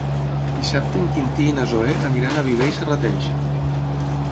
Dissabte en Quintí i na Zoè aniran a Viver i Serrateix.